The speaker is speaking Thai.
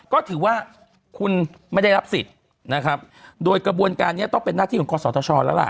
ก็ถือว่าคุณไม่ได้รับสิทธิ์นะครับโดยกระบวนการนี้ต้องเป็นหน้าที่ของคอสชแล้วล่ะ